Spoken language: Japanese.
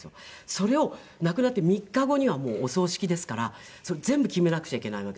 それを亡くなって３日後にはもうお葬式ですからそれ全部決めなくちゃいけないわけですね。